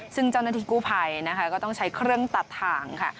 ซึ่งเจ้าหน้าที่กู้ภัยนะคะก็ต้องใช้เครื่องตัดทางค่ะ